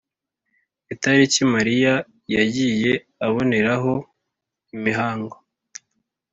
itariki mariya yagiye aboneraho imihango